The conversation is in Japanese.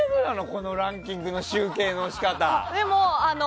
このランキングの集計の仕方。